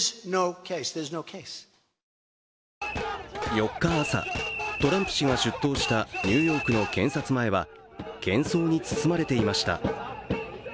４日朝、トランプ氏が出頭したニューヨークの検察前はけん騒に包まれていました。